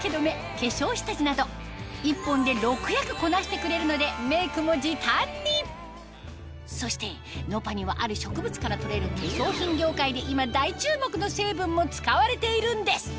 化粧下地など１本で６役こなしてくれるのでメイクも時短にそしてｎｏｐａにはある植物から採れる化粧品業界で今大注目の成分も使われているんです